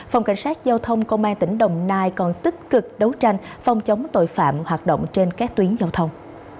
phòng cảnh sát giao thông công an tp hcm còn tích cực đấu tranh phòng chống tội phạm hoạt động trên các tuyến giao thông